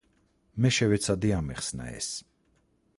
მე შევეცადე ამეხსნა ეს.